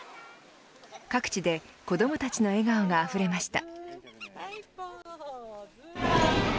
各地で子どもたちの笑顔があふれました。